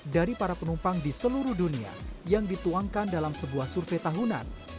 dari para penumpang di seluruh dunia yang dituangkan dalam sebuah survei tahunan